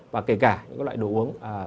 và kể cả những loại đồ uống